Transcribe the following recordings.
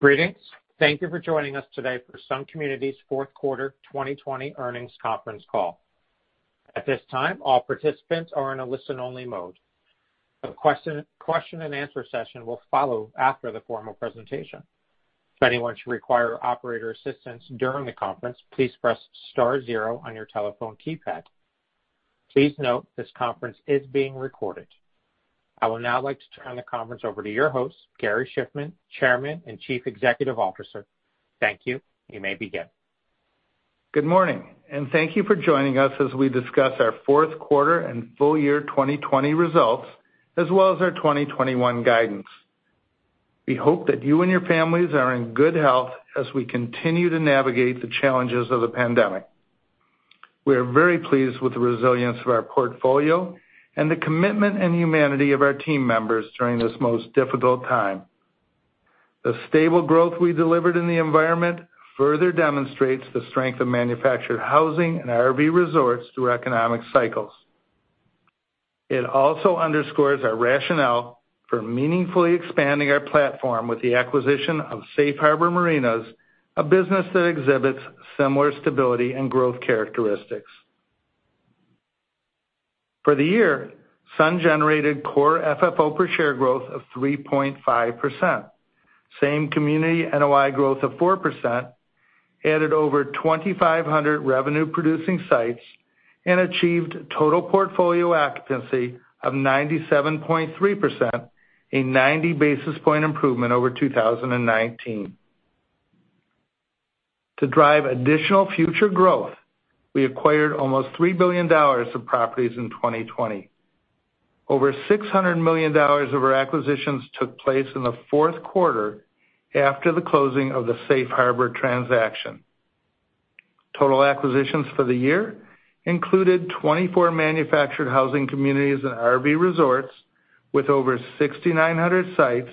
Greetings. Thank you for joining us today for Sun Communities' fourth quarter 2020 earnings conference call. At this time, all participants are in a listen-only mode. A question and answer session will follow after the formal presentation. If anyone should require operator assistance during the conference, please press star zero on your telephone keypad. Please note this conference is being recorded. I will now like to turn the conference over to your host, Gary Shiffman, Chairman and Chief Executive Officer. Thank you. You may begin. Good morning. Thank you for joining us as we discuss our fourth quarter and full year 2020 results, as well as our 2021 guidance. We hope that you and your families are in good health as we continue to navigate the challenges of the pandemic. We are very pleased with the resilience of our portfolio and the commitment and humanity of our team members during this most difficult time. The stable growth we delivered in the environment further demonstrates the strength of manufactured housing and RV resorts through economic cycles. It also underscores our rationale for meaningfully expanding our platform with the acquisition of Safe Harbor Marinas, a business that exhibits similar stability and growth characteristics. For the year, Sun generated Core FFO per share growth of 3.5%, Same Community NOI growth of 4%, added over 2,500 revenue-producing sites, and achieved total portfolio occupancy of 97.3%, a 90-basis point improvement over 2019. To drive additional future growth, we acquired almost $3 billion of properties in 2020. Over $600 million of our acquisitions took place in the fourth quarter after the closing of the Safe Harbor transaction. Total acquisitions for the year included 24 manufactured housing communities and RV resorts with over 6,900 sites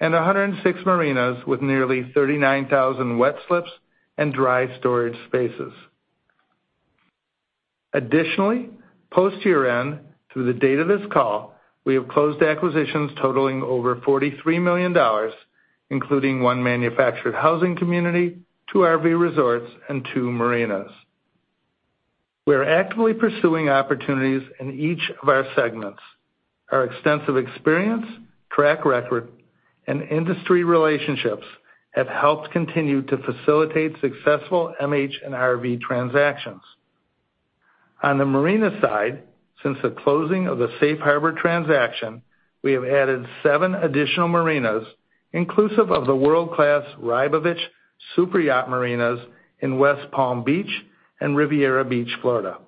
and 106 marinas with nearly 39,000 wet slips and dry storage spaces. Additionally, post-year-end through the date of this call, we have closed acquisitions totaling over $43 million, including one manufactured housing community, two RV resorts, and two marinas. We are actively pursuing opportunities in each of our segments. Our extensive experience, track record, and industry relationships have helped continue to facilitate successful MH and RV transactions. On the marina side, since the closing of the Safe Harbor transaction, we have added seven additional marinas, inclusive of the world-class Rybovich superyacht marinas in West Palm Beach and Riviera Beach, Florida.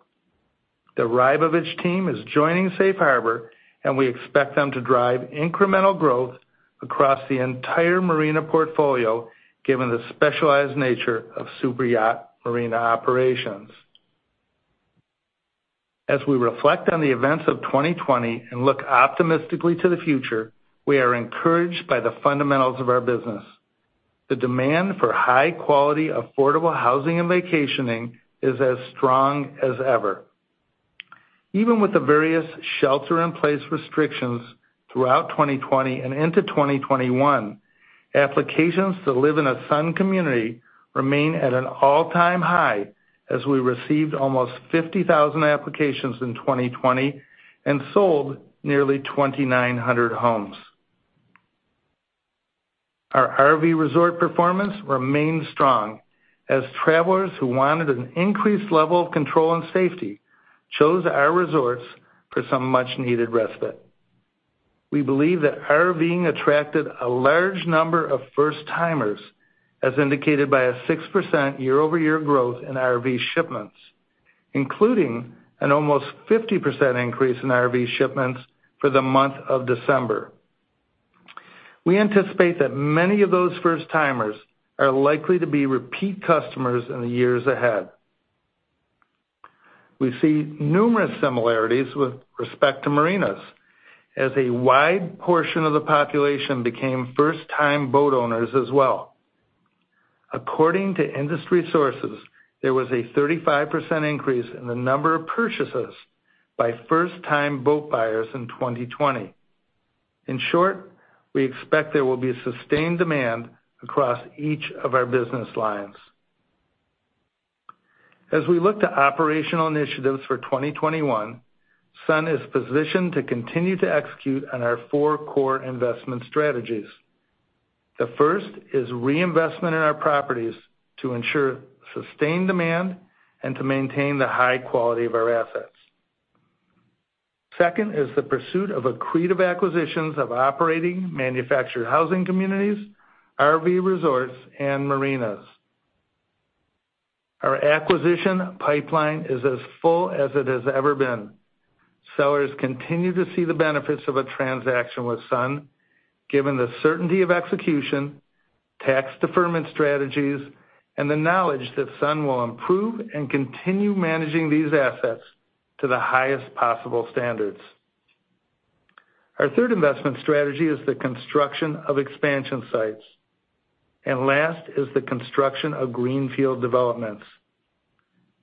The Rybovich team is joining Safe Harbor, and we expect them to drive incremental growth across the entire marina portfolio, given the specialized nature of superyacht marina operations. As we reflect on the events of 2020 and look optimistically to the future, we are encouraged by the fundamentals of our business. The demand for high-quality, affordable housing and vacationing is as strong as ever. Even with the various shelter-in-place restrictions throughout 2020 and into 2021, applications to live in a Sun Communities remain at an all-time high as we received almost 50,000 applications in 2020 and sold nearly 2,900 homes. Our RV resort performance remains strong as travelers who wanted an increased level of control and safety chose our resorts for some much-needed respite. We believe that RVing attracted a large number of first-timers, as indicated by a 6% year-over-year growth in RV shipments, including an almost 50% increase in RV shipments for the month of December. We anticipate that many of those first-timers are likely to be repeat customers in the years ahead. We see numerous similarities with respect to marinas, as a wide portion of the population became first-time boat owners as well. According to industry sources, there was a 35% increase in the number of purchases by first-time boat buyers in 2020. In short, we expect there will be sustained demand across each of our business lines. As we look to operational initiatives for 2021, Sun is positioned to continue to execute on our four core investment strategies. The first is reinvestment in our properties to ensure sustained demand and to maintain the high quality of our assets. Second is the pursuit of accretive acquisitions of operating manufactured housing communities, RV resorts, and marinas. Our acquisition pipeline is as full as it has ever been. Sellers continue to see the benefits of a transaction with Sun, given the certainty of execution, tax deferment strategies, and the knowledge that Sun will improve and continue managing these assets to the highest possible standards. Our third investment strategy is the construction of expansion sites. Last is the construction of greenfield developments.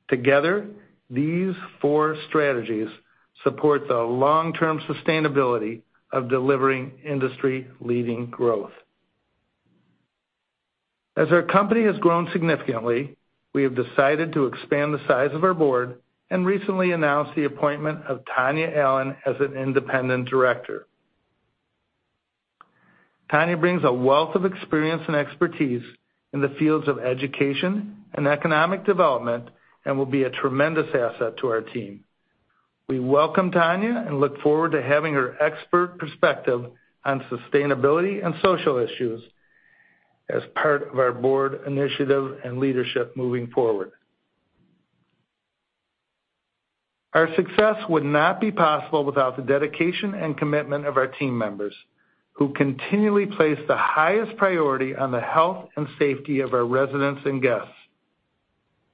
Together, these four strategies support the long-term sustainability of delivering industry-leading growth. As our company has grown significantly, we have decided to expand the size of our board and recently announced the appointment of Tonya Allen as an independent director. Tonya brings a wealth of experience and expertise in the fields of education and economic development and will be a tremendous asset to our team. We welcome Tonya and look forward to having her expert perspective on sustainability and social issues as part of our board initiative and leadership moving forward. Our success would not be possible without the dedication and commitment of our team members, who continually place the highest priority on the health and safety of our residents and guests.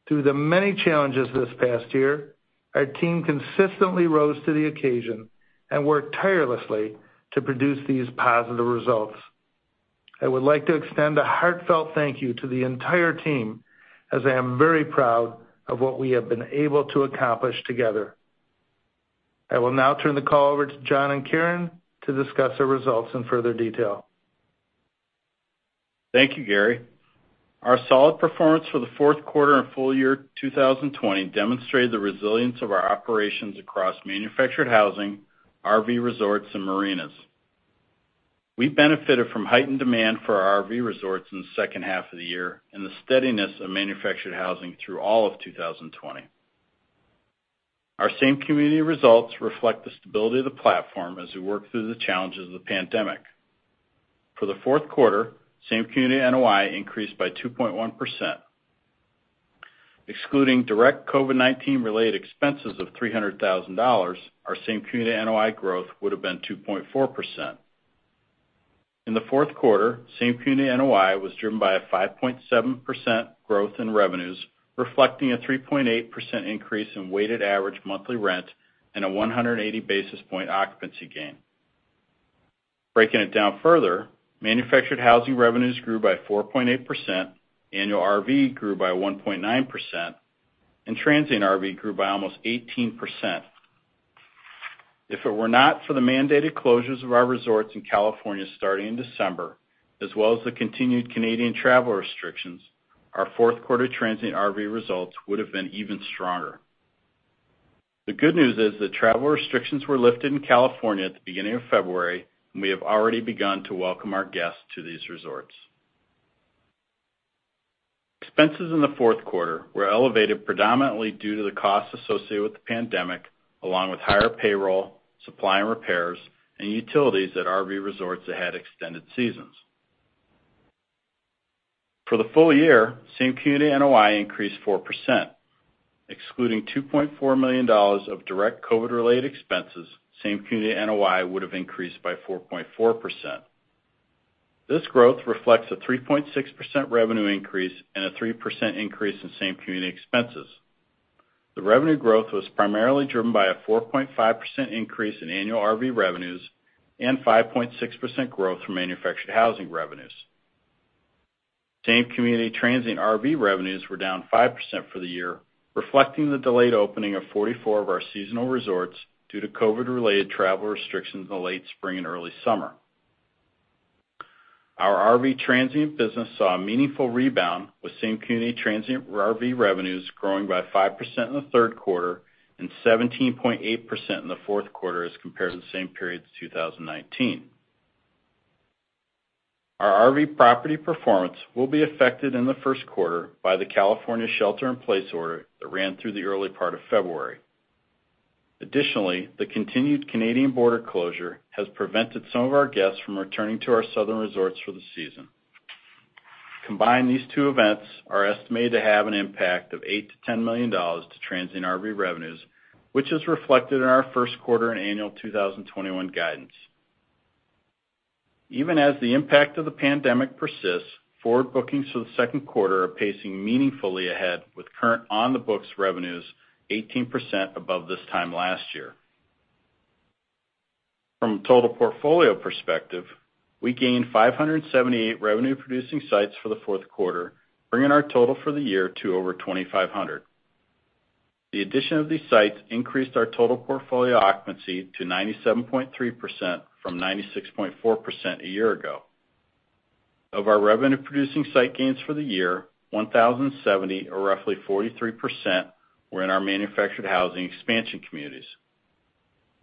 Through the many challenges this past year, our team consistently rose to the occasion and worked tirelessly to produce these positive results. I would like to extend a heartfelt thank you to the entire team, as I am very proud of what we have been able to accomplish together. I will now turn the call over to John and Karen to discuss our results in further detail. Thank you, Gary. Our solid performance for the fourth quarter and full year 2020 demonstrated the resilience of our operations across manufactured housing, RV resorts, and marinas. We benefited from heightened demand for our RV resorts in the second half of the year and the steadiness of manufactured housing through all of 2020. Our same community results reflect the stability of the platform as we work through the challenges of the pandemic. For the fourth quarter, same community NOI increased by 2.1%. Excluding direct COVID-19 related expenses of $300,000, our same community NOI growth would've been 2.4%. In the fourth quarter, same community NOI was driven by a 5.7% growth in revenues, reflecting a 3.8% increase in weighted average monthly rent and a 180 basis point occupancy gain. Breaking it down further, manufactured housing revenues grew by 4.8%, annual RV grew by 1.9%, and transient RV grew by almost 18%. If it were not for the mandated closures of our resorts in California starting in December, as well as the continued Canadian travel restrictions, our fourth quarter transient RV results would've been even stronger. The good news is that travel restrictions were lifted in California at the beginning of February, and we have already begun to welcome our guests to these resorts. Expenses in the fourth quarter were elevated predominantly due to the costs associated with the pandemic, along with higher payroll, supply and repairs, and utilities at RV resorts that had extended seasons. For the full year, same community NOI increased 4%. Excluding $2.4 million of direct COVID-related expenses, same community NOI would've increased by 4.4%. This growth reflects a 3.6% revenue increase and a 3% increase in same community expenses. The revenue growth was primarily driven by a 4.5% increase in annual RV revenues and 5.6% growth from manufactured housing revenues. Same community transient RV revenues were down 5% for the year, reflecting the delayed opening of 44 of our seasonal resorts due to COVID-related travel restrictions in the late spring and early summer. Our RV transient business saw a meaningful rebound, with same community transient RV revenues growing by 5% in the third quarter and 17.8% in the fourth quarter as compared to the same period in 2019. Our RV property performance will be affected in the first quarter by the California shelter in place order that ran through the early part of February. Additionally, the continued Canadian border closure has prevented some of our guests from returning to our southern resorts for the season. Combined, these two events are estimated to have an impact of $8 million-$10 million to transient RV revenues, which is reflected in our first quarter and annual 2021 guidance. Even as the impact of the pandemic persists, forward bookings for the second quarter are pacing meaningfully ahead, with current on-the-books revenues 18% above this time last year. From a total portfolio perspective, we gained 578 revenue-producing sites for the fourth quarter, bringing our total for the year to over 2,500. The addition of these sites increased our total portfolio occupancy to 97.3% from 96.4% a year ago. Of our revenue-producing site gains for the year, 1,070 or roughly 43% were in our manufactured housing expansion communities.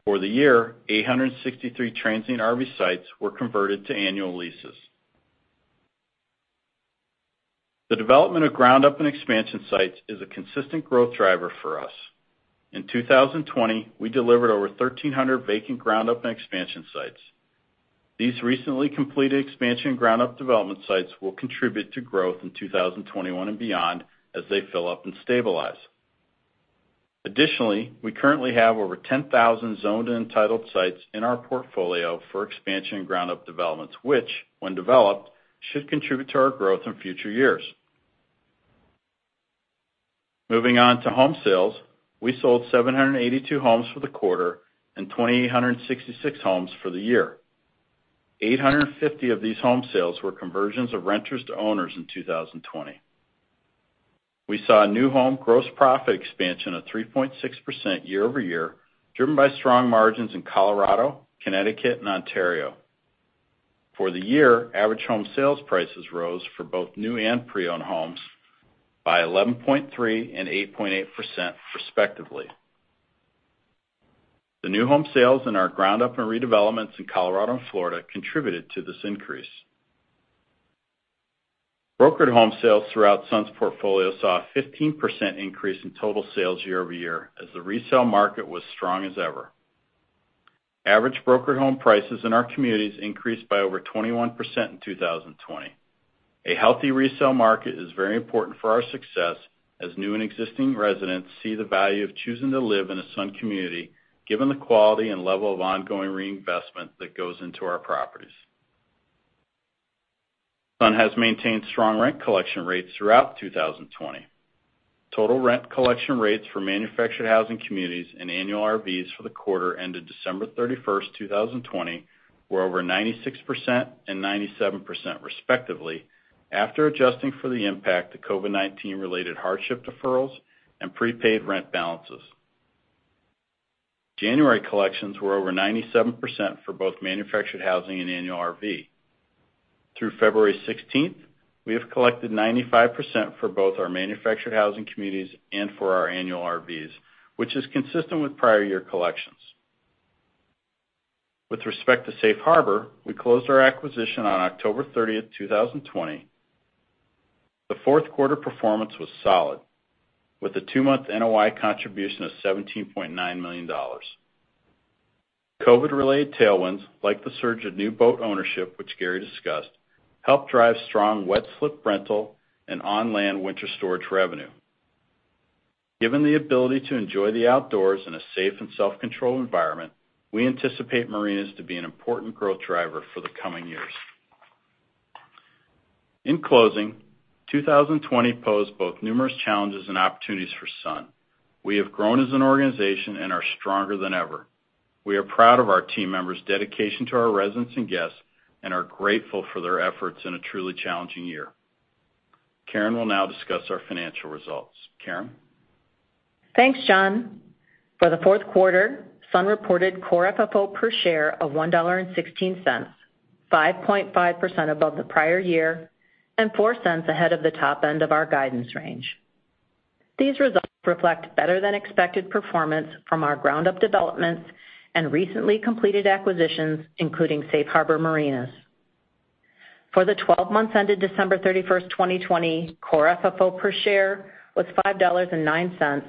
For the year, 863 transient RV sites were converted to annual leases. The development of ground-up and expansion sites is a consistent growth driver for us. In 2020, we delivered over 1,300 vacant ground-up and expansion sites. These recently completed expansion ground-up development sites will contribute to growth in 2021 and beyond as they fill up and stabilize. Additionally, we currently have over 10,000 zoned and entitled sites in our portfolio for expansion and ground-up developments, which, when developed, should contribute to our growth in future years. Moving on to home sales. We sold 782 homes for the quarter and 2,866 homes for the year. 850 of these home sales were conversions of renters to owners in 2020. We saw a new home gross profit expansion of 3.6% year-over-year, driven by strong margins in Colorado, Connecticut, and Ontario. For the year, average home sales prices rose for both new and pre-owned homes by 11.3% and 8.8%, respectively. The new home sales in our ground-up and redevelopments in Colorado and Florida contributed to this increase. Brokered home sales throughout Sun's portfolio saw a 15% increase in total sales year-over-year, as the resale market was strong as ever. Average brokered home prices in our communities increased by over 21% in 2020. A healthy resale market is very important for our success, as new and existing residents see the value of choosing to live in a Sun community, given the quality and level of ongoing reinvestment that goes into our properties. Sun has maintained strong rent collection rates throughout 2020. Total rent collection rates for manufactured housing communities and annual RVs for the quarter ended December 31st, 2020, were over 96% and 97%, respectively, after adjusting for the impact to COVID-19 related hardship deferrals and prepaid rent balances. January collections were over 97% for both manufactured housing and annual RV. Through February 16th, we have collected 95% for both our manufactured housing communities and for our annual RVs, which is consistent with prior year collections. With respect to Safe Harbor, we closed our acquisition on October 30th, 2020. The fourth quarter performance was solid, with a two-month NOI contribution of $17.9 million. COVID related tailwinds, like the surge of new boat ownership, which Gary discussed, helped drive strong wet slip rental and on land winter storage revenue. Given the ability to enjoy the outdoors in a safe and self-controlled environment, we anticipate Marinas to be an important growth driver for the coming years. In closing, 2020 posed both numerous challenges and opportunities for Sun. We have grown as an organization and are stronger than ever. We are proud of our team members' dedication to our residents and guests, and are grateful for their efforts in a truly challenging year. Karen will now discuss our financial results. Karen? Thanks, John. For the fourth quarter, Sun reported Core FFO per share of $1.16, 5.5% above the prior year, and $0.04 ahead of the top end of our guidance range. These results reflect better than expected performance from our ground-up developments and recently completed acquisitions, including Safe Harbor Marinas. For the 12 months ended December 31st, 2020, Core FFO per share was $5.09,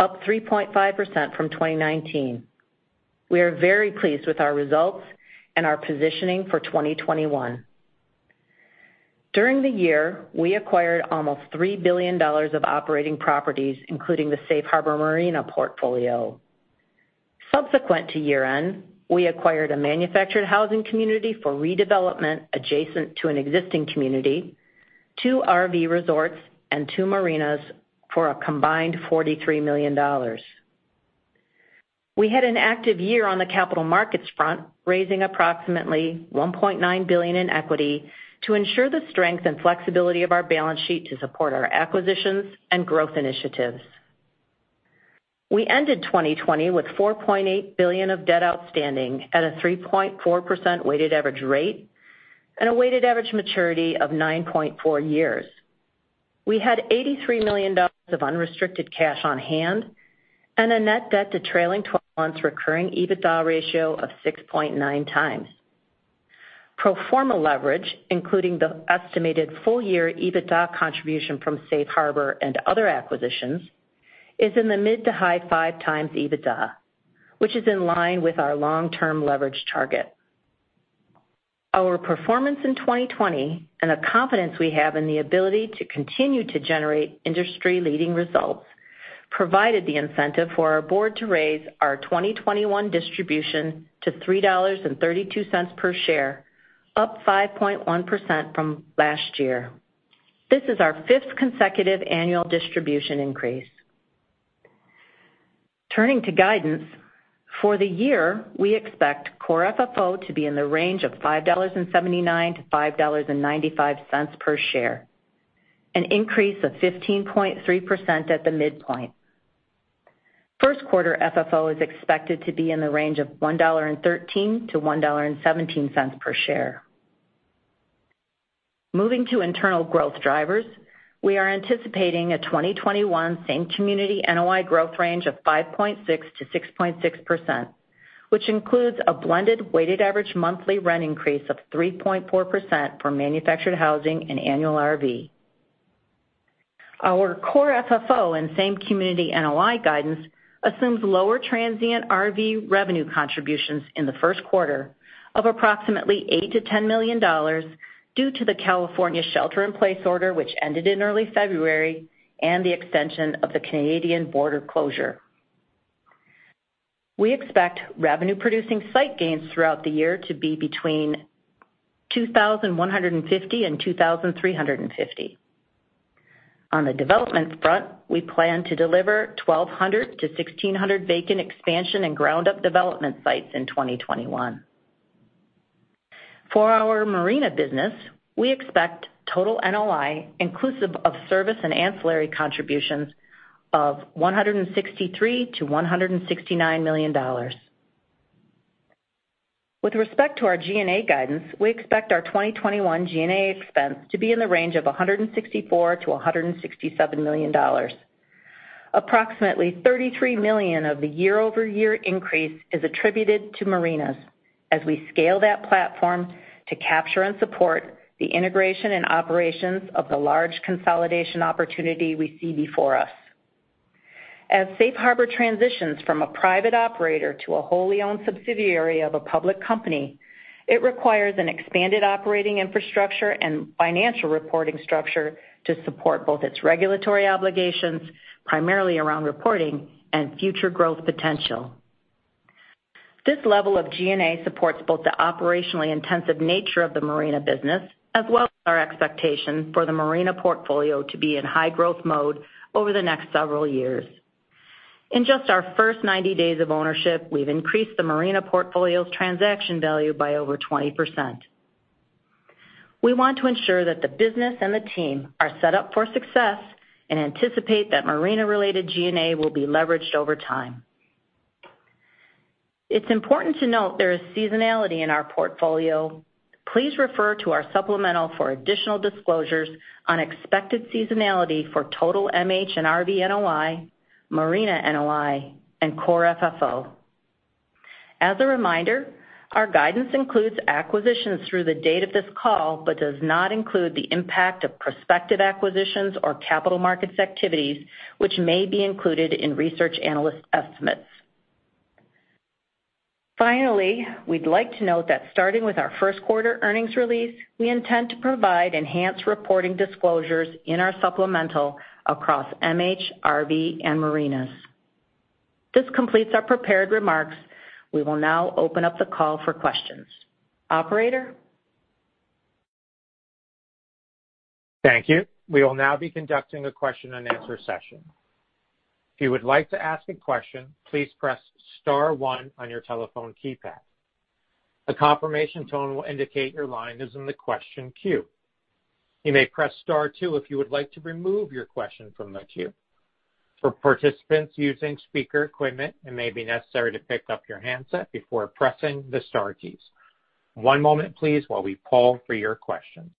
up 3.5% from 2019. We are very pleased with our results and our positioning for 2021. During the year, we acquired almost $3 billion of operating properties, including the Safe Harbor Marina portfolio. Subsequent to year-end, we acquired a manufactured housing community for redevelopment adjacent to an existing community, two RV resorts, and two marinas for a combined $43 million. We had an active year on the capital markets front, raising approximately $1.9 billion in equity to ensure the strength and flexibility of our balance sheet to support our acquisitions and growth initiatives. We ended 2020 with $4.8 billion of debt outstanding at a 3.4% weighted average rate and a weighted average maturity of 9.4 years. We had $83 million of unrestricted cash on hand and a net debt to trailing 12 months recurring EBITDA ratio of 6.9 times. Pro forma leverage, including the estimated full year EBITDA contribution from Safe Harbor and other acquisitions, is in the mid to high five times EBITDA, which is in line with our long-term leverage target. Our performance in 2020 and the confidence we have in the ability to continue to generate industry-leading results provided the incentive for our board to raise our 2021 distribution to $3.32 per share, up 5.1% from last year. This is our fifth consecutive annual distribution increase. Turning to guidance. For the year, we expect Core FFO to be in the range of $5.79-$5.95 per share, an increase of 15.3% at the midpoint. First quarter FFO is expected to be in the range of $1.13-$1.17 per share. Moving to internal growth drivers. We are anticipating a 2021 Same Community NOI growth range of 5.6%-6.6%, which includes a blended weighted average monthly rent increase of 3.4% for manufactured housing and annual RV. Our Core FFO and Same Community NOI guidance assumes lower transient RV revenue contributions in the first quarter of approximately $8 to $10 million due to the California shelter in place order, which ended in early February, and the extension of the Canadian border closure. We expect revenue producing site gains throughout the year to be between 2,150 and 2,350. On the development front, we plan to deliver 1,200 to 1,600 vacant expansion and ground-up development sites in 2021. For our marina business, we expect total NOI inclusive of service and ancillary contributions of $163 million-$169 million. With respect to our G&A guidance, we expect our 2021 G&A expense to be in the range of $164 million-$167 million. Approximately $33 million of the year-over-year increase is attributed to marinas as we scale that platform to capture and support the integration and operations of the large consolidation opportunity we see before us. As Safe Harbor transitions from a private operator to a wholly owned subsidiary of a public company, it requires an expanded operating infrastructure and financial reporting structure to support both its regulatory obligations, primarily around reporting and future growth potential. This level of G&A supports both the operationally intensive nature of the marina business, as well as our expectation for the marina portfolio to be in high growth mode over the next several years. In just our first 90 days of ownership, we've increased the marina portfolio's transaction value by over 20%. We want to ensure that the business and the team are set up for success and anticipate that marina-related G&A will be leveraged over time. It's important to note there is seasonality in our portfolio. Please refer to our supplemental for additional disclosures on expected seasonality for total MH and RV NOI, marina NOI, and Core FFO. As a reminder, our guidance includes acquisitions through the date of this call, but does not include the impact of prospective acquisitions or capital markets activities, which may be included in research analyst estimates. Finally, we'd like to note that starting with our first quarter earnings release, we intend to provide enhanced reporting disclosures in our supplemental across MH, RV, and marinas. This completes our prepared remarks. We will now open up the call for questions. Operator? Thank you. We will now be conducting a question and answer session. If you would like to ask a question, please press star one on your telephone keypad. A confirmation tone will indicate your line is in the question queue. You may press star two if you would like to remove your question from the queue. For participants using speaker equipment, it may be necessary to pick up your handset before pressing the star keys. One moment, please, while we poll for your questions.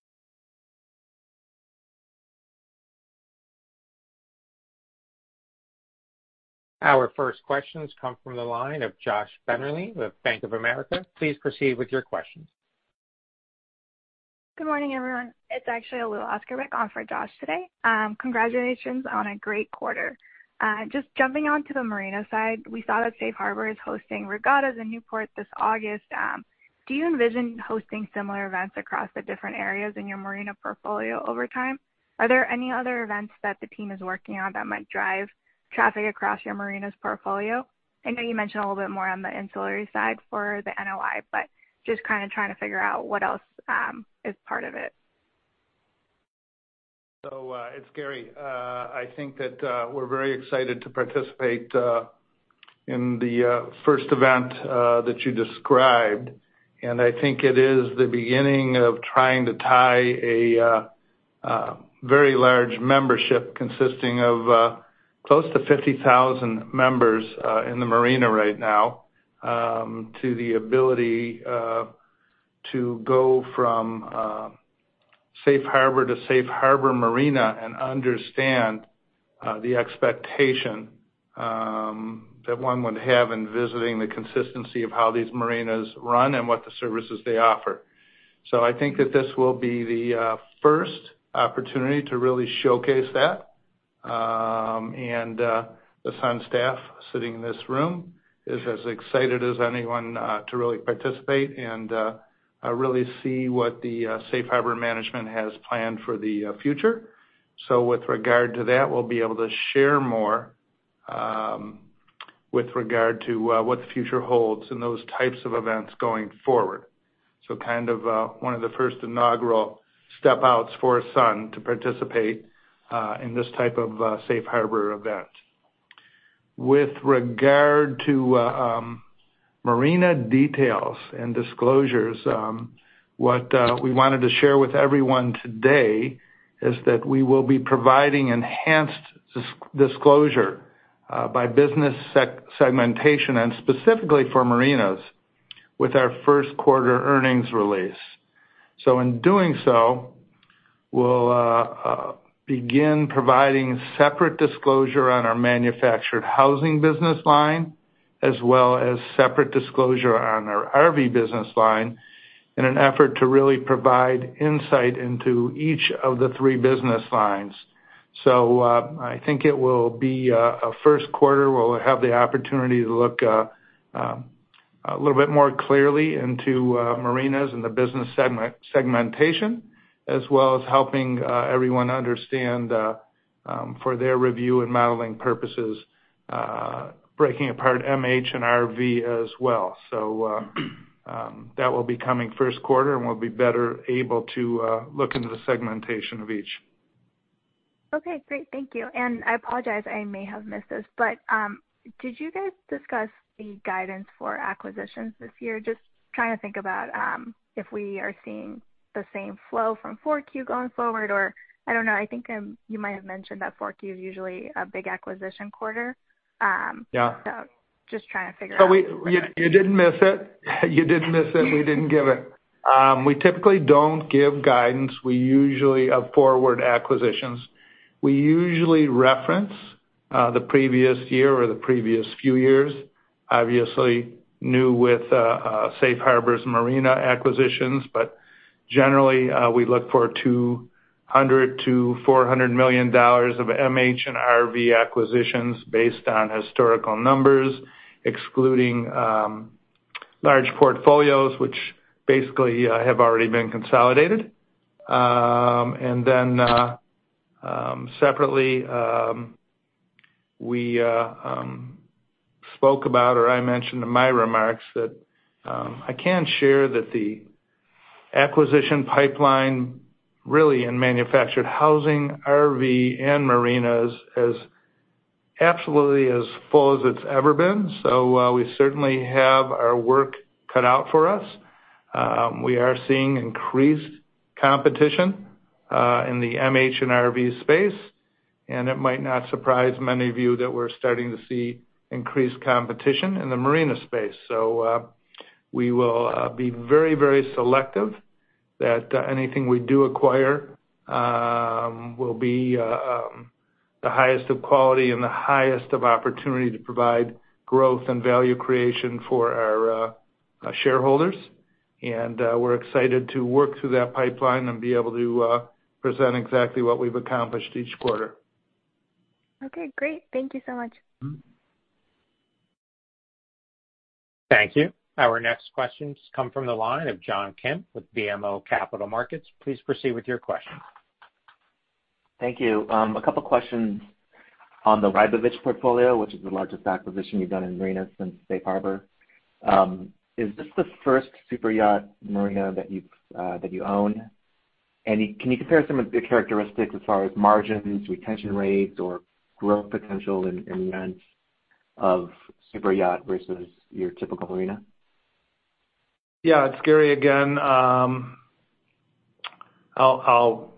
Our first questions come from the line of Joshua Beznos with Bank of America. Please proceed with your questions. Good morning, everyone. It's actually Lilly Okcuoglu back on for Josh today. Congratulations on a great quarter. Just jumping onto the marina side, we saw that Safe Harbor is hosting Regattas in Newport this August. Do you envision hosting similar events across the different areas in your marina portfolio over time? Are there any other events that the team is working on that might drive traffic across your marinas portfolio? I know you mentioned a little bit more on the ancillary side for the NOI, but just kind of trying to figure out what else is part of it. It's Gary. I think that we're very excited to participate in the first event that you described, and I think it is the beginning of trying to tie a very large membership consisting of close to 50,000 members in the marina right now to the ability to go from Safe Harbor to Safe Harbor Marinas and understand the expectation that one would have in visiting the consistency of how these marinas run and what the services they offer. I think that this will be the first opportunity to really showcase that. The Sun staff sitting in this room is as excited as anyone to really participate and really see what the Safe Harbor management has planned for the future. With regard to that, we'll be able to share more with regard to what the future holds in those types of events going forward. Kind of one of the first inaugural step outs for Sun to participate in this type of Safe Harbor event. With regard to marina details and disclosures, what we wanted to share with everyone today is that we will be providing enhanced disclosure by business segmentation, and specifically for marinas, with our first quarter earnings release. In doing so, we'll begin providing separate disclosure on our manufactured housing business line, as well as separate disclosure on our RV business line in an effort to really provide insight into each of the three business lines. I think it will be a first quarter where we'll have the opportunity to look a little bit more clearly into marinas and the business segmentation, as well as helping everyone understand for their review and modeling purposes, breaking apart MH and RV as well. That will be coming first quarter, and we'll be better able to look into the segmentation of each. Okay, great. Thank you. I apologize, I may have missed this, did you guys discuss the guidance for acquisitions this year? Just trying to think about if we are seeing the same flow from 4Q going forward, or I don't know. I think you might have mentioned that 4Q is usually a big acquisition quarter. Yeah. just trying to figure out. You didn't miss it. We didn't give it. We typically don't give guidance. We usually have forward acquisitions. We usually reference the previous year or the previous few years, obviously new with Safe Harbor Marinas acquisitions. Generally, we look for $200 million-$400 million of MH and RV acquisitions based on historical numbers, excluding large portfolios, which basically have already been consolidated. Separately, we spoke about, or I mentioned in my remarks, that I can share that the acquisition pipeline really in manufactured housing, RV, and marinas is absolutely as full as it's ever been. We certainly have our work cut out for us. We are seeing increased competition in the MH and RV space, and it might not surprise many of you that we're starting to see increased competition in the marina space. We will be very selective that anything we do acquire will be the highest of quality and the highest of opportunity to provide growth and value creation for our shareholders. We're excited to work through that pipeline and be able to present exactly what we've accomplished each quarter. Okay, great. Thank you so much. Thank you. Our next questions come from the line of John Kim with BMO Capital Markets. Please proceed with your questions. Thank you. A couple questions on the Rybovich portfolio, which is the largest acquisition you've done in marinas since Safe Harbor. Is this the first super yacht marina that you own? Can you compare some of the characteristics as far as margins, retention rates, or growth potential in rents of super yacht versus your typical marina? Yeah, it's Gary again. I'll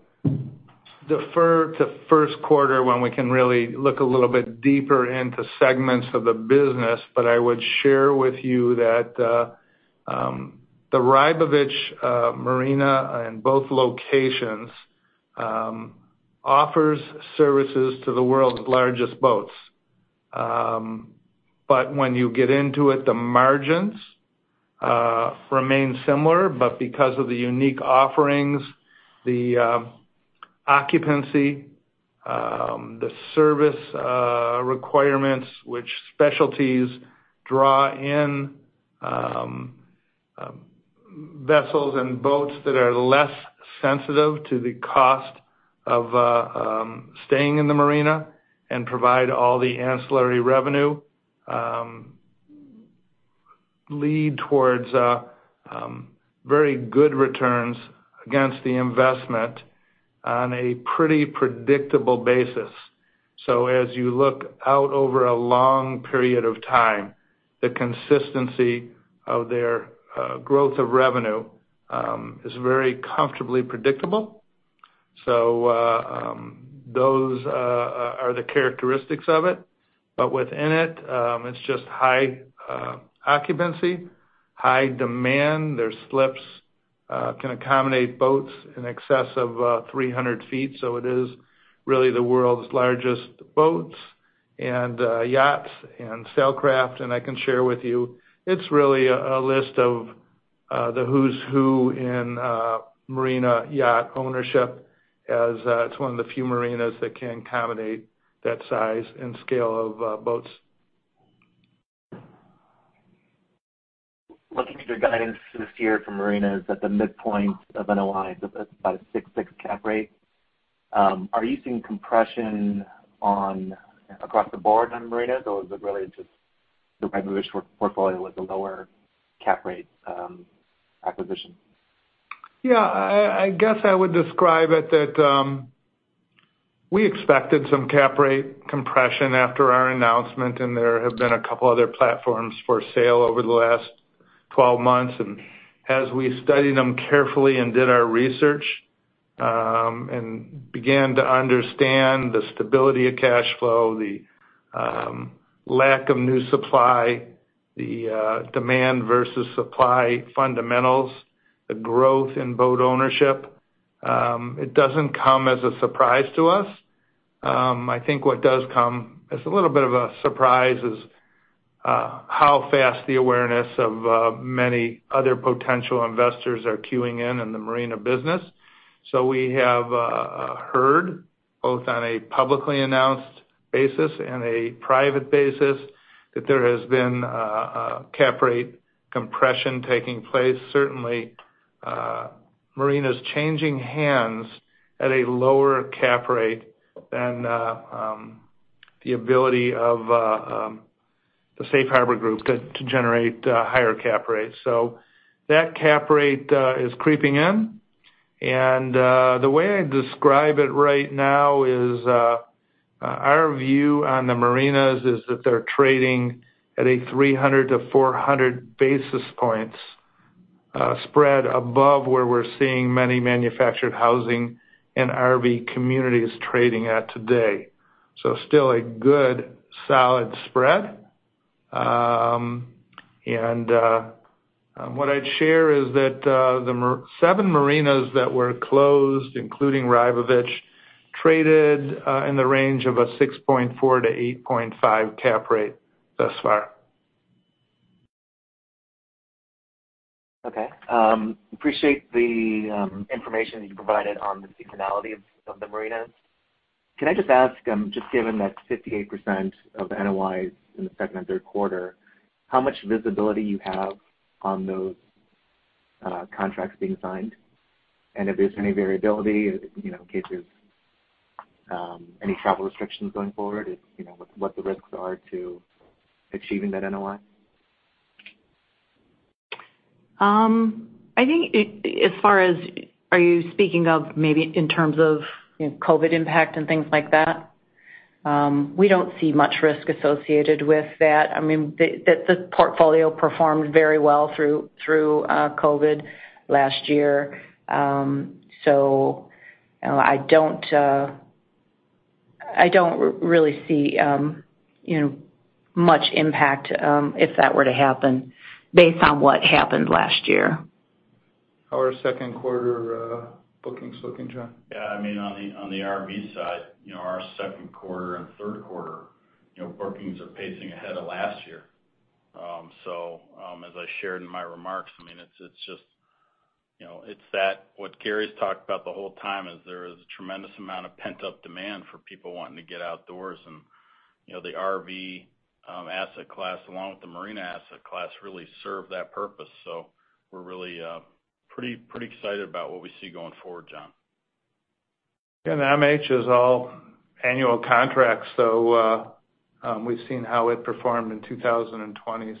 defer to first quarter when we can really look a little bit deeper into segments of the business, but I would share with you that the Rybovich Marina in both locations offers services to the world's largest boats. When you get into it, the margins remain similar, but because of the unique offerings, the occupancy, the service requirements, which specialties draw in vessels and boats that are less sensitive to the cost of staying in the marina and provide all the ancillary revenue, lead towards very good returns against the investment on a pretty predictable basis. As you look out over a long period of time, the consistency of their growth of revenue is very comfortably predictable. Those are the characteristics of it. Within it's just high occupancy, high demand. Their slips can accommodate boats in excess of 300 ft. It is really the world's largest boats and yachts and sailcraft, I can share with you, it's really a list of the who's who in marina yacht ownership, as it's one of the few marinas that can accommodate that size and scale of boats. Looking at your guidance this year for marinas at the midpoint of NOI, so that's about a 6.6 cap rate. Are you seeing compression across the board on marinas, or is it really just the Rybovich portfolio with the lower cap rate acquisition? Yeah, I guess I would describe it that we expected some cap rate compression after our announcement. There have been a couple other platforms for sale over the last 12 months. As we studied them carefully and did our research, and began to understand the stability of cash flow, the lack of new supply, the demand versus supply fundamentals, the growth in boat ownership, it doesn't come as a surprise to us. I think what does come as a little bit of a surprise is how fast the awareness of many other potential investors are queuing in the marina business. We have heard, both on a publicly announced basis and a private basis, that there has been cap rate compression taking place. Certainly, marinas changing hands at a lower cap rate than the ability of the Safe Harbor group to generate higher cap rates. That cap rate is creeping in. The way I describe it right now is, our view on the marinas is that they're trading at a 300-400 basis points spread above where we're seeing many manufactured housing and RV communities trading at today. Still a good solid spread. What I'd share is that the seven marinas that were closed, including Rybovich, traded in the range of a 6.4-8.5 cap rate thus far. Okay. Appreciate the information that you provided on the seasonality of the marinas. Can I just ask, just given that 58% of the NOIs in the second and third quarter, how much visibility you have on those contracts being signed? If there's any variability in case there's any travel restrictions going forward, what the risks are to achieving that NOI? I think, are you speaking of maybe in terms of COVID impact and things like that? We don't see much risk associated with that. The portfolio performed very well through COVID last year. I don't really see much impact if that were to happen based on what happened last year. How are second quarter bookings looking, John? Yeah, on the RV side, our second quarter and third quarter bookings are pacing ahead of last year. As I shared in my remarks, it's that what Gary's talked about the whole time is there is a tremendous amount of pent-up demand for people wanting to get outdoors, and the RV asset class, along with the marina asset class, really serve that purpose. We're really pretty excited about what we see going forward, John. MH is all annual contracts, so we've seen how it performed in 2020.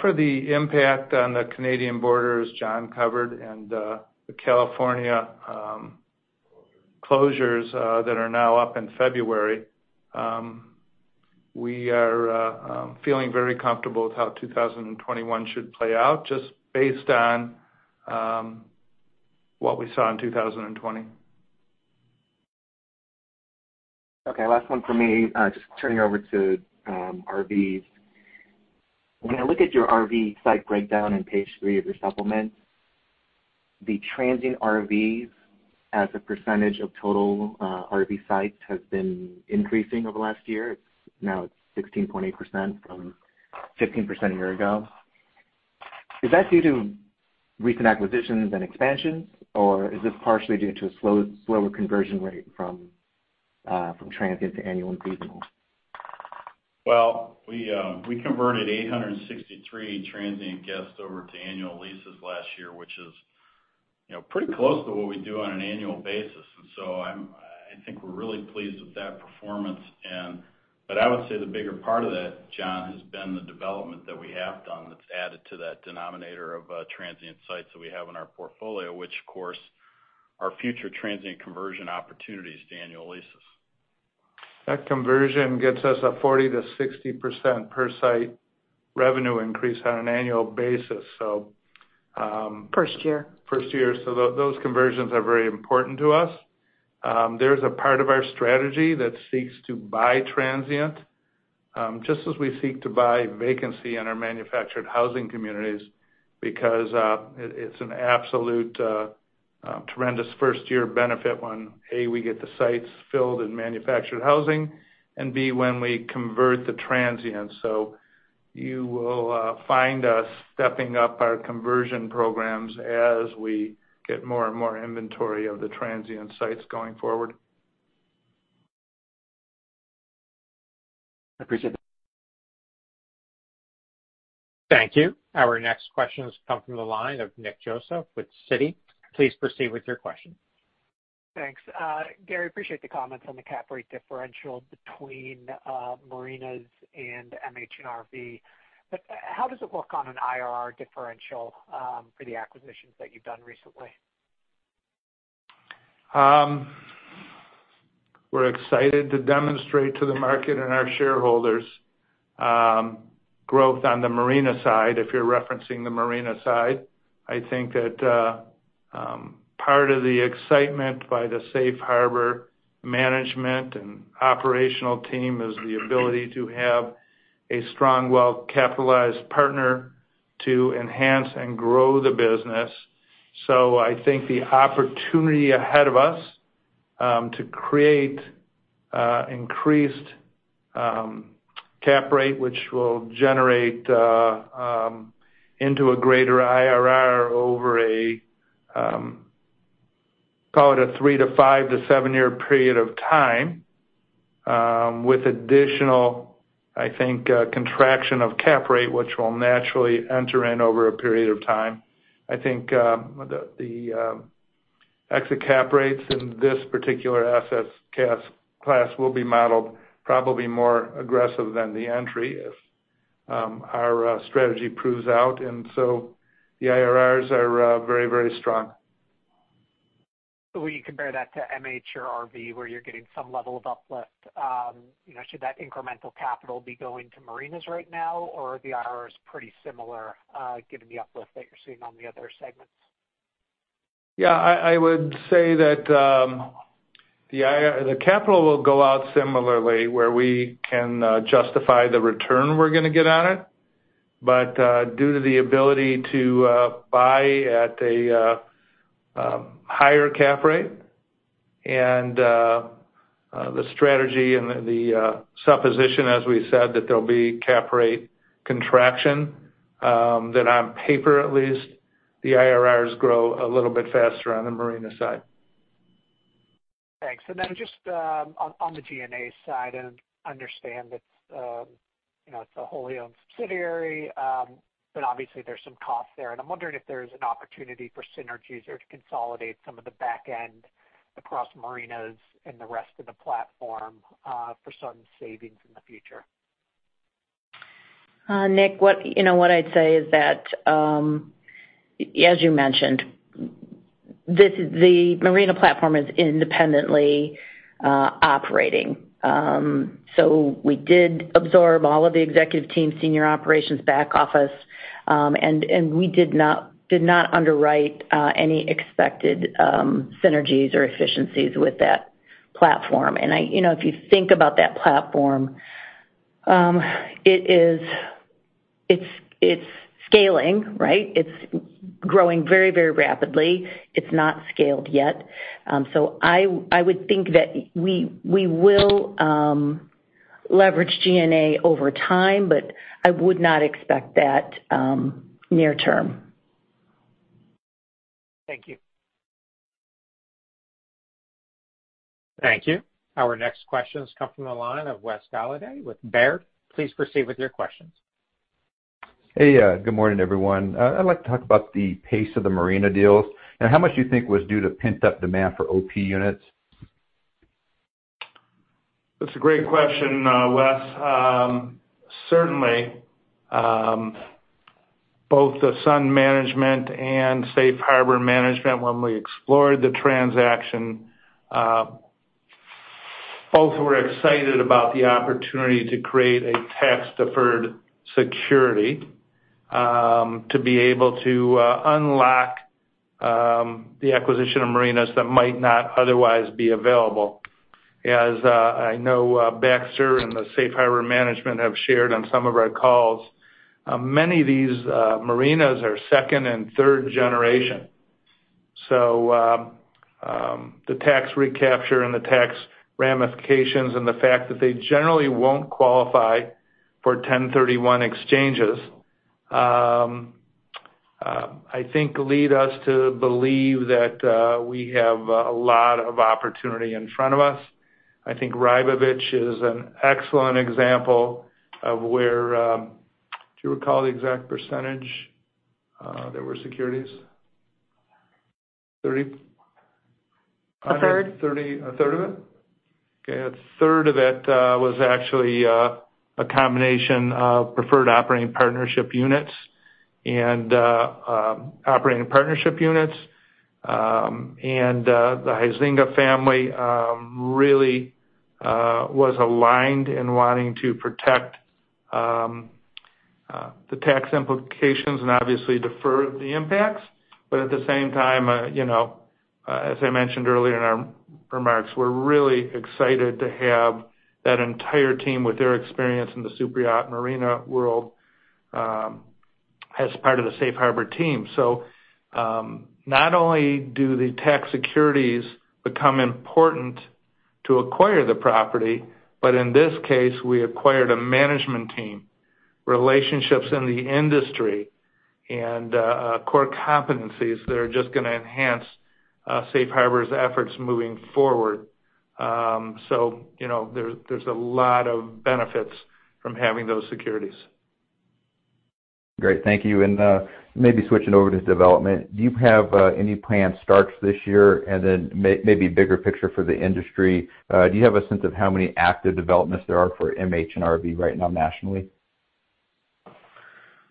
For the impact on the Canadian borders, John covered, and the California. Closures closures that are now up in February, we are feeling very comfortable with how 2021 should play out, just based on what we saw in 2020. Okay, last one from me. Just turning over to RVs. When I look at your RV site breakdown on page three of your supplement, the transient RVs as a % of total RV sites has been increasing over the last year. It's now 16.8% from 15% a year ago. Is that due to recent acquisitions and expansions, or is this partially due to a slower conversion rate from transient to annual and seasonal? Well, we converted 863 transient guests over to annual leases last year, which is pretty close to what we do on an annual basis. I think we're really pleased with that performance. I would say the bigger part of that, John, has been the development that we have done that's added to that denominator of transient sites that we have in our portfolio, which, of course, are future transient conversion opportunities to annual leases. That conversion gets us a 40%-60% per site revenue increase on an annual basis. First year first year. Those conversions are very important to us. There's a part of our strategy that seeks to buy transient, just as we seek to buy vacancy in our manufactured housing communities, because it's an absolute tremendous first-year benefit when, A, we get the sites filled in manufactured housing, and B, when we convert the transient. You will find us stepping up our conversion programs as we get more and more inventory of the transient sites going forward. Appreciate that. Thank you. Our next question has come from the line of Nick Joseph with Citi. Please proceed with your question. Thanks. Gary, appreciate the comments on the cap rate differential between marinas and MH and RV. How does it look on an IRR differential for the acquisitions that you've done recently? We're excited to demonstrate to the market and our shareholders growth on the marina side, if you're referencing the marina side. I think that part of the excitement by the Safe Harbor management and operational team is the ability to have a strong, well-capitalized partner to enhance and grow the business. I think the opportunity ahead of us to create increased cap rate, which will generate into a greater IRR over, call it a three- to five- to seven-year period of time, with additional, I think, contraction of cap rate, which will naturally enter in over a period of time. I think the exit cap rates in this particular assets class will be modeled probably more aggressive than the entry if our strategy proves out. The IRRs are very, very strong. Will you compare that to MH or RV where you're getting some level of uplift? Should that incremental capital be going to marinas right now? Are the IRRs pretty similar, given the uplift that you're seeing on the other segments? Yeah. I would say that the capital will go out similarly where we can justify the return we're going to get on it. Due to the ability to buy at a higher cap rate and the strategy and the supposition, as we said, that there'll be cap rate contraction, that on paper at least, the IRRs grow a little bit faster on the marina side. Thanks. Just on the G&A side, I understand it's a wholly owned subsidiary, but obviously, there's some cost there, and I'm wondering if there's an opportunity for synergies or to consolidate some of the back end across marinas and the rest of the platform for some savings in the future. Nick, what I'd say is that, as you mentioned, the marina platform is independently operating. We did absorb all of the executive team, senior operations, back office. We did not underwrite any expected synergies or efficiencies with that platform. If you think about that platform, it's scaling, right? It's growing very, very rapidly. It's not scaled yet. I would think that we will leverage G&A over time, but I would not expect that near term. Thank you. Thank you. Our next questions come from the line of Wes Golladay with Baird. Please proceed with your questions. Hey, good morning, everyone. I'd like to talk about the pace of the marina deals, how much do you think was due to pent-up demand for OP units? That's a great question, Wes. Certainly, both the Sun Management and Safe Harbor management, when we explored the transaction, both were excited about the opportunity to create a tax-deferred security to be able to unlock the acquisition of marinas that might not otherwise be available. As I know, Baxter and the Safe Harbor management have shared on some of our calls, many of these marinas are second and third generation. The tax recapture and the tax ramifications and the fact that they generally won't qualify for 1031 exchanges I think lead us to believe that we have a lot of opportunity in front of us. I think Rybovich is an excellent example of where. Do you recall the exact percentage there were securities? 30? A third. A third of it? Okay. A third of it was actually a combination of preferred operating partnership units and operating partnership units. The Huizenga family really was aligned in wanting to protect the tax implications and obviously defer the impacts. At the same time, as I mentioned earlier in our remarks, we're really excited to have that entire team with their experience in the superyacht marina world as part of the Safe Harbor team. Not only do the tax securities become important to acquire the property, but in this case, we acquired a management team, relationships in the industry, and core competencies that are just going to enhance Safe Harbor's efforts moving forward. There's a lot of benefits from having those securities. Great. Thank you. Maybe switching over to development, do you have any planned starts this year? Then maybe bigger picture for the industry, do you have a sense of how many active developments there are for MH and RV right now nationally?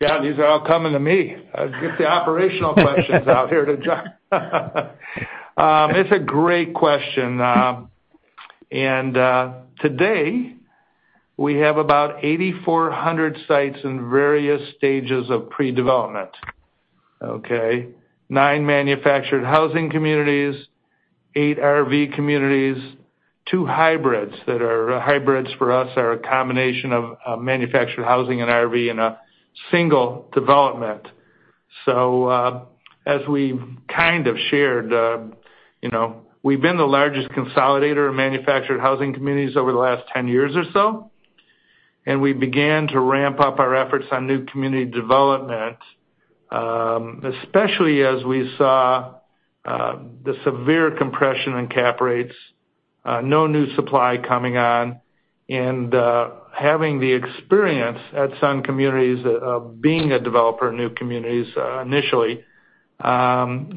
Yeah, these are all coming to me. Get the operational questions out here to John. It's a great question. Today, we have about 8,400 sites in various stages of pre-development. Okay. Nine manufactured housing communities, eight RV communities, two hybrids that are hybrids for us are a combination of manufactured housing and RV in a single development. As we kind of shared, we've been the largest consolidator of manufactured housing communities over the last 10 years or so, and we began to ramp up our efforts on new community development, especially as we saw the severe compression in cap rates. No new supply coming on. Having the experience at Sun Communities of being a developer in new communities initially,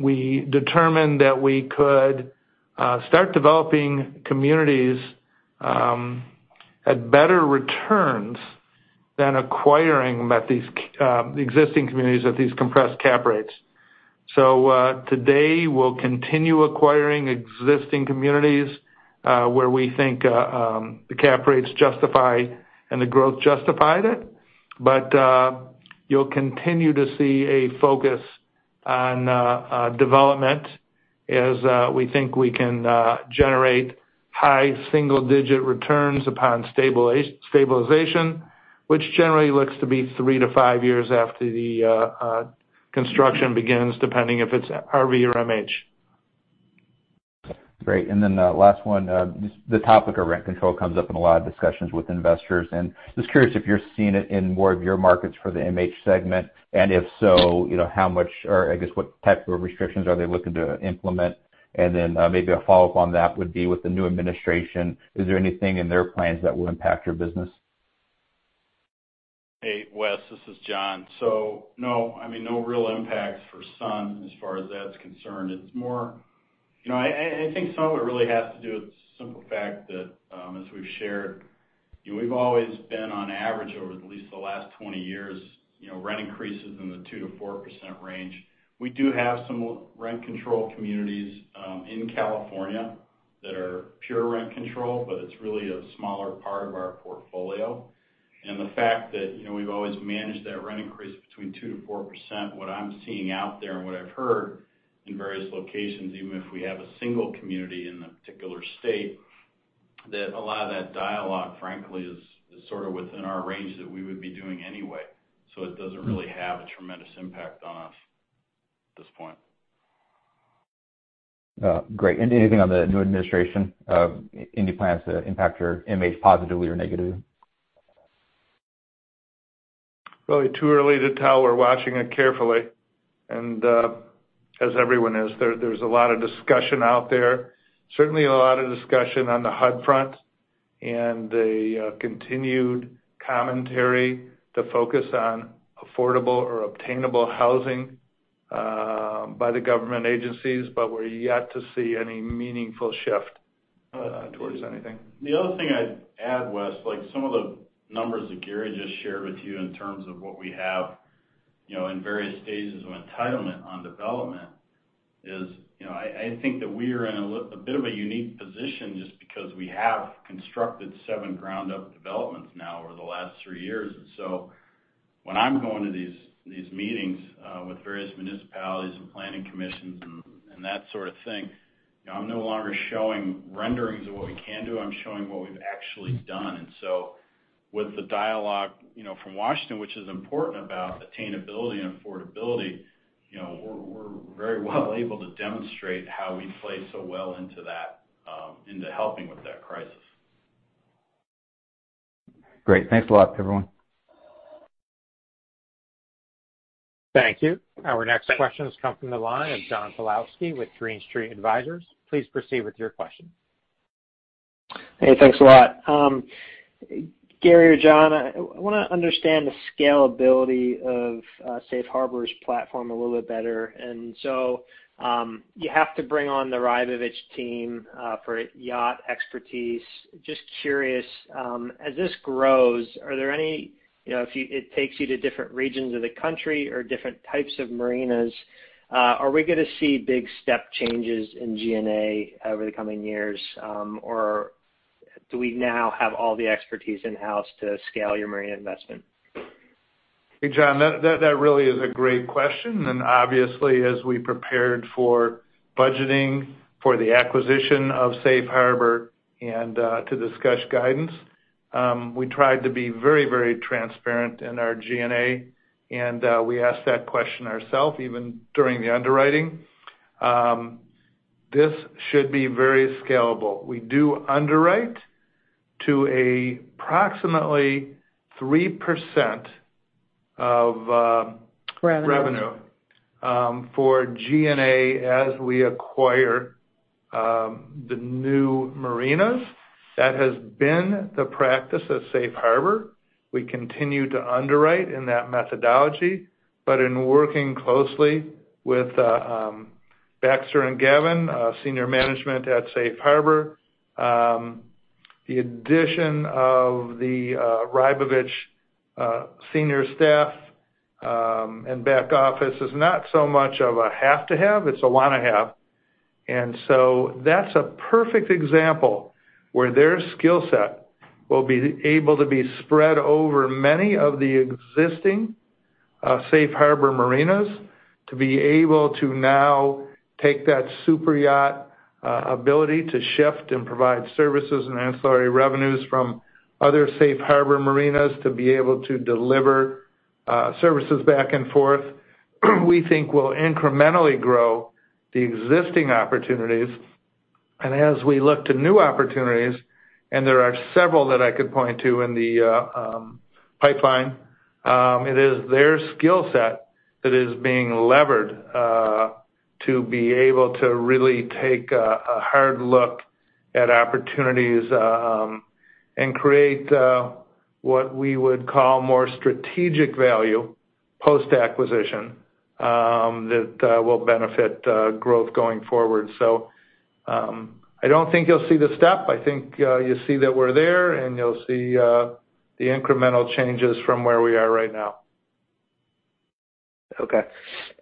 we determined that we could start developing communities at better returns than acquiring these existing communities at these compressed cap rates. Today, we'll continue acquiring existing communities, where we think the cap rates justify and the growth justified it. You'll continue to see a focus on development as we think we can generate high single-digit returns upon stabilization, which generally looks to be three to five years after the construction begins, depending if it's RV or MH. Great. The last one, the topic of rent control comes up in a lot of discussions with investors. Just curious if you're seeing it in more of your markets for the MH segment, if so, how much, or I guess, what type of restrictions are they looking to implement? Maybe a follow-up on that would be with the new administration, is there anything in their plans that will impact your business? Hey, Wes, this is John. No real impacts for Sun as far as that's concerned. I think some of it really has to do with the simple fact that, as we've shared, we've always been on average, over at least the last 20 years, rent increases in the 2%-4% range. We do have some rent-controlled communities in California that are pure rent control, but it's really a smaller part of our portfolio. The fact that we've always managed that rent increase between 2%-4%, what I'm seeing out there and what I've heard in various locations, even if we have a single community in a particular state, that a lot of that dialogue, frankly, is sort of within our range that we would be doing anyway. It doesn't really have a tremendous impact on us at this point. Great. Anything on the new administration, any plans to impact your MH positively or negatively? Probably too early to tell. We're watching it carefully, and as everyone is. There's a lot of discussion out there. Certainly a lot of discussion on the HUD front, and the continued commentary, the focus on affordable or obtainable housing by the government agencies. We're yet to see any meaningful shift towards anything. The other thing I'd add, Wes, like some of the numbers that Gary just shared with you in terms of what we have in various stages of entitlement on development is I think that we are in a bit of a unique position just because we have constructed seven ground-up developments now over the last three years. When I'm going to these meetings with various municipalities and planning commissions and that sort of thing, I'm no longer showing renderings of what we can do. I'm showing what we've actually done. With the dialogue from Washington, which is important about attainability and affordability, we're very well able to demonstrate how we play so well into that into helping with that crisis. Great. Thanks a lot, everyone. Thank you. Our next questions come from the line of John Pawlowski with Green Street Advisors. Please proceed with your question. Hey, thanks a lot. Gary or John, I want to understand the scalability of Safe Harbor's platform a little bit better. You have to bring on the Rybovich team for yacht expertise. Just curious, as this grows, if it takes you to different regions of the country or different types of marinas, are we going to see big step changes in G&A over the coming years? Do we now have all the expertise in-house to scale your marina investment? Hey, John, that really is a great question. Obviously, as we prepared for budgeting for the acquisition of Safe Harbor and to discuss guidance, we tried to be very transparent in our G&A, and we asked that question ourself even during the underwriting. This should be very scalable. We do underwrite to approximately 3%. Revenue revenue for G&A as we acquire the new marinas. That has been the practice of Safe Harbor. We continue to underwrite in that methodology. In working closely with Baxter and Gavin, senior management at Safe Harbor, the addition of the Rybovich senior staff and back office is not so much of a have to have, it's a want to have. That's a perfect example where their skill set will be able to be spread over many of the existing Safe Harbor marinas to be able to now take that super yacht ability to shift and provide services and ancillary revenues from other Safe Harbor marinas to be able to deliver services back and forth. We think we'll incrementally grow the existing opportunities. As we look to new opportunities, and there are several that I could point to in the pipeline. It is their skill set that is being levered to be able to really take a hard look at opportunities and create what we would call more strategic value post-acquisition that will benefit growth going forward. I don't think you'll see the step. I think you'll see that we're there, and you'll see the incremental changes from where we are right now. Okay.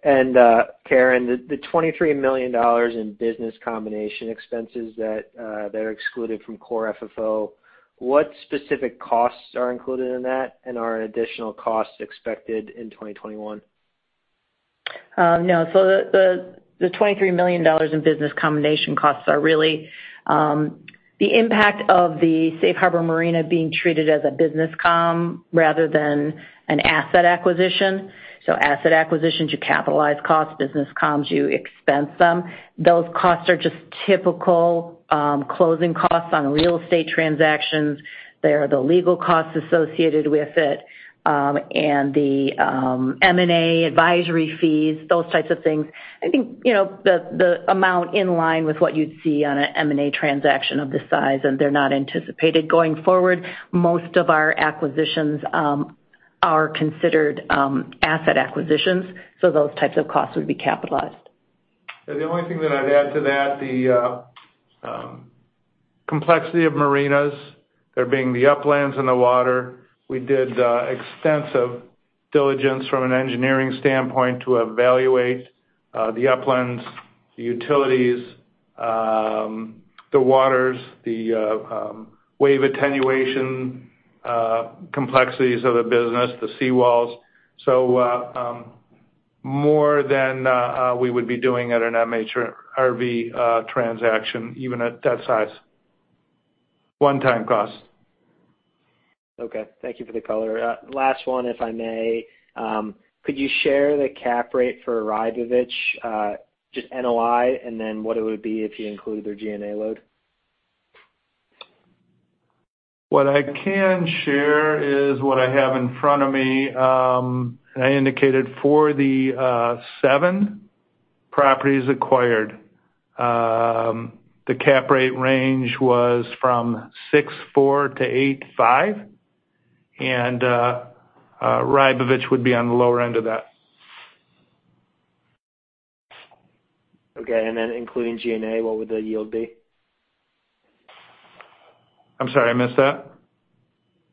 Karen, the $23 million in business combination expenses that are excluded from Core FFO, what specific costs are included in that, and are additional costs expected in 2021? No. The $23 million in business combination costs are really the impact of the Safe Harbor Marinas being treated as a business com rather than an asset acquisition. Asset acquisitions, you capitalize costs, business coms, you expense them. Those costs are just typical closing costs on real estate transactions. They are the legal costs associated with it, and the M&A advisory fees, those types of things. I think the amount in line with what you'd see on an M&A transaction of this size, and they're not anticipated going forward. Most of our acquisitions are considered asset acquisitions, so those types of costs would be capitalized. The only thing that I'd add to that, the complexity of marinas, there being the uplands and the water. We did extensive diligence from an engineering standpoint to evaluate the uplands, the utilities, the waters, the wave attenuation complexities of the business, the sea walls. More than we would be doing at an MH and RV transaction, even at that size. One-time cost. Okay. Thank you for the color. Last one, if I may. Could you share the cap rate for Rybovich, just NOI, and then what it would be if you include their G&A load? What I can share is what I have in front of me. I indicated for the seven properties acquired, the cap rate range was from 6.4% to 8.5%, and Rybovich would be on the lower end of that. Okay. Then including G&A, what would the yield be? I'm sorry, I missed that.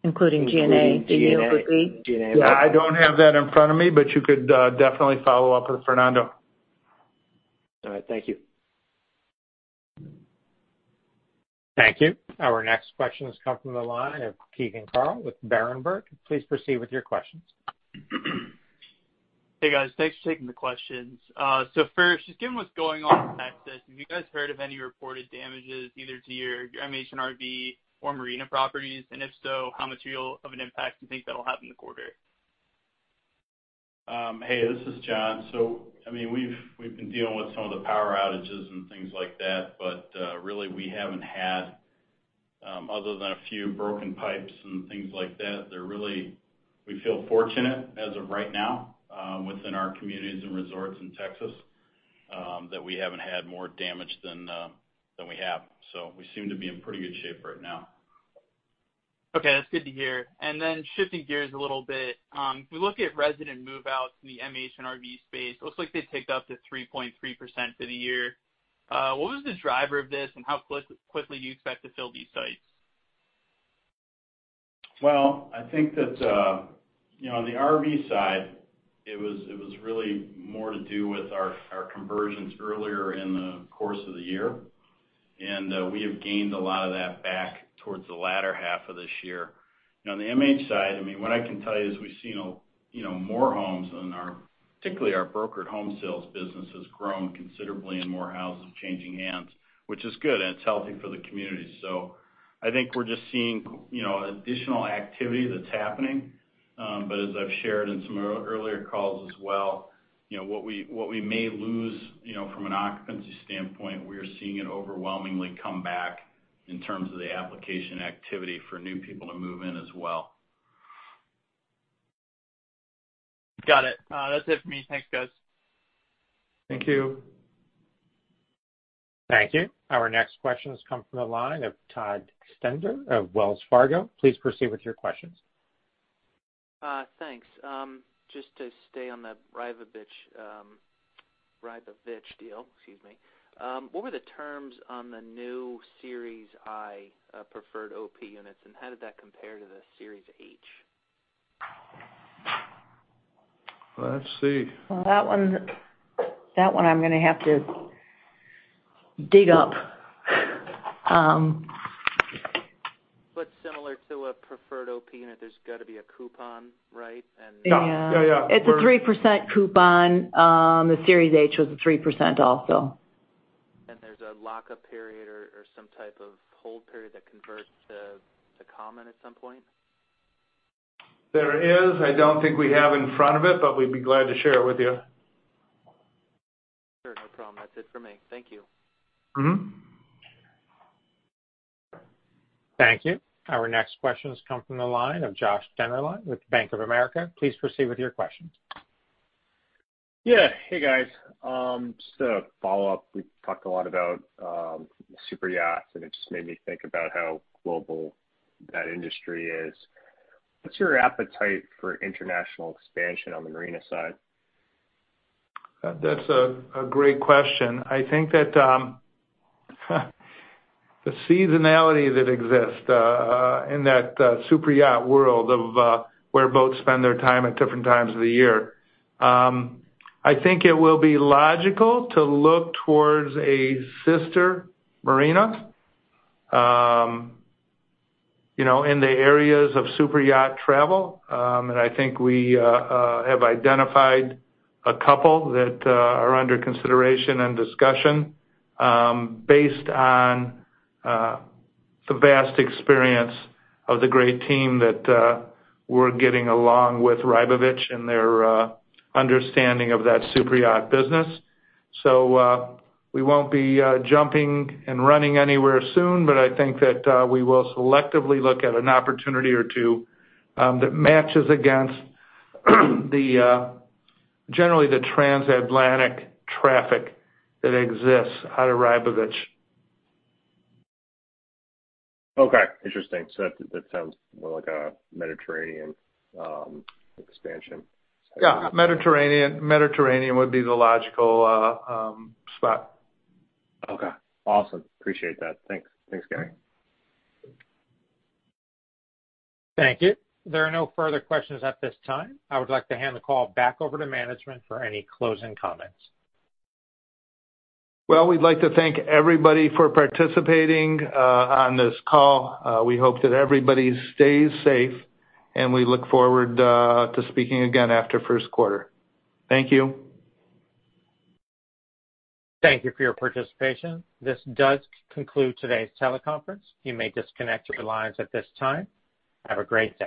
Including G&A, the yield would be? I don't have that in front of me, but you could definitely follow up with Fernando. All right. Thank you. Thank you. Our next question has come from the line of Keegan Carl of Berenberg. Please proceed with your questions. Hey, guys. Thanks for taking the questions. First, just given what's going on in Texas, have you guys heard of any reported damages either to your MH and RV or marina properties? If so, how material of an impact do you think that'll have in the quarter? Hey, this is John. We've been dealing with some of the power outages and things like that, but really we haven't had, other than a few broken pipes and things like that. We feel fortunate as of right now within our communities and resorts in Texas, that we haven't had more damage than we have. We seem to be in pretty good shape right now. Okay. That's good to hear. Shifting gears a little bit. If we look at resident move-outs in the MH and RV space, it looks like they ticked up to 3.3% for the year. What was the driver of this, and how quickly do you expect to fill these sites? Well, I think that on the RV side, it was really more to do with our conversions earlier in the course of the year, and we have gained a lot of that back towards the latter half of this year. On the MH side, what I can tell you is we've seen more homes, and particularly our brokered home sales business has grown considerably and more houses changing hands, which is good, and it's healthy for the community. I think we're just seeing additional activity that's happening. As I've shared in some earlier calls as well, what we may lose from an occupancy standpoint, we are seeing it overwhelmingly come back in terms of the application activity for new people to move in as well. Got it. That's it for me. Thanks, guys. Thank you. Thank you. Our next question has come from the line of Todd Stender of Wells Fargo. Please proceed with your questions. Thanks. Just to stay on the Rybovich deal, excuse me. What were the terms on the new Series I preferred OP units, and how did that compare to the Series H? Let's see. That one I'm going to have to dig up. Similar to a preferred OP unit, there's got to be a coupon, right? Yeah. It's a 3% coupon. The Series H was a 3% also. There's a lock-up period or some type of hold period that converts to common at some point? There is. I don't think we have in front of it, but we'd be glad to share it with you. Sure, no problem. That's it for me. Thank you. Thank you. Our next questions come from the line of Joshua Dennerlein with Bank of America. Please proceed with your questions. Yeah. Hey, guys. Just a follow-up. We've talked a lot about superyachts, and it just made me think about how global that industry is. What's your appetite for international expansion on the marina side? That's a great question. I think that the seasonality that exists in that superyacht world of where boats spend their time at different times of the year, I think it will be logical to look towards a sister marina in the areas of superyacht travel. I think we have identified a couple that are under consideration and discussion based on the vast experience of the great team that we're getting along with Rybovich and their understanding of that superyacht business. We won't be jumping and running anywhere soon, but I think that we will selectively look at an opportunity or two that matches against generally the transatlantic traffic that exists out of Rybovich. Okay. Interesting. That sounds more like a Mediterranean expansion. Mediterranean would be the logical spot. Okay. Awesome. Appreciate that. Thanks. Thanks, Gary. Thank you. There are no further questions at this time. I would like to hand the call back over to management for any closing comments. Well, we'd like to thank everybody for participating on this call. We hope that everybody stays safe, and we look forward to speaking again after first quarter. Thank you. Thank you for your participation. This does conclude today's teleconference. You may disconnect your lines at this time. Have a great day.